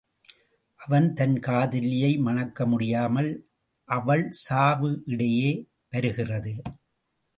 அவன் தன் காதலியை மணக்க முடியாமல் அவள் சாவு இடையே வருகிறது.